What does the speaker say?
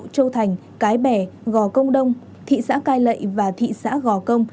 bộ châu thành cái bẻ gò công đông thị xã cai lậy và thị xã gò công